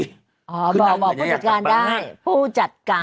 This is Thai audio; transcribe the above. บอกบอกผู้จัดการได้ผู้จัดการ